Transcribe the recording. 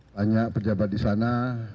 tanya pejabat di sana